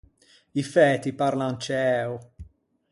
I fæti parlan ciæo.